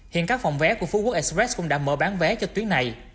hiện các phòng vé của phú quốc express cũng đã mở bán vé cho tuyến này